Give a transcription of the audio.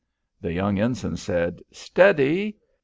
The young ensign said: "Steady."